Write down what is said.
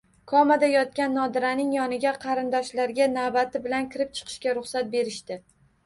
Komada yotgan Nodiraning yoniga qarindoshlarga navbati bilan kirib chiqishga ruxsat berishdi